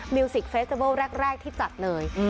มิวสิกเฟสเตอร์เวิลแรกที่จัดเลยอืม